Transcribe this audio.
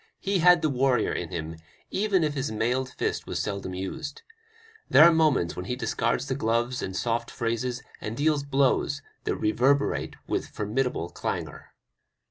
He had the warrior in him, even if his mailed fist was seldom used. There are moments when he discards gloves and soft phrases and deals blows that reverberate with formidable clangor.